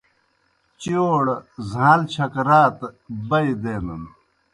چِیؤڑ زھاݩل چھک رات بئی دینَن۔